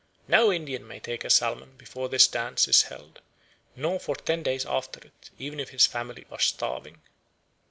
"No Indian may take a salmon before this dance is held, nor for ten days after it, even if his family are starving."